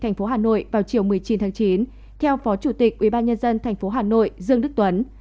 thành phố hà nội vào chiều một mươi chín tháng chín theo phó chủ tịch ubnd tp hà nội dương đức tuấn